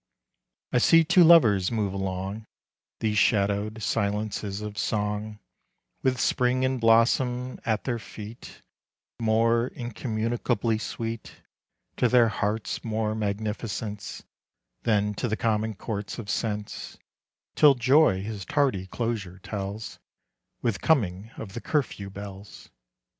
I see two lovers move along These shadowed silences of song, With spring in blossom at their feet More incommunicably sweet To their hearts' more magnificence, Than to the common courts of sense, Till joy his tardy closure tells With coming of the curfew bells.